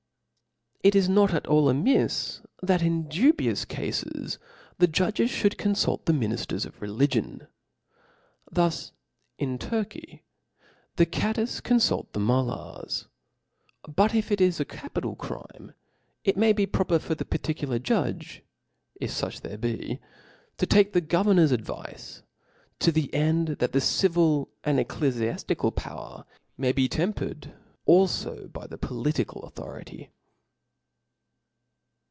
It is hot at all amifs that in dubious cafes the (0 Hiftory judges fhould confuk the minifters of reli^n (0* ?iJ^Jd''Thus in Turky the Cadis confuk the MoUacbs. part, p. But if it is a capital crime, k may be proper for thl'tT the particular judge, if fuch there be, to talke tLe »ark«. governor's advice, to the end that the civil and ecclefiaftic power may be tempered alfo by the political authority.